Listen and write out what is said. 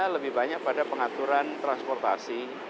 lebih banyak pada pengaturan transportasi